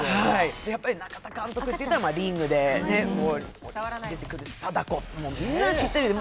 やっぱり中田監督といったら「リング」で出てくる貞子、みんな知ってるよね。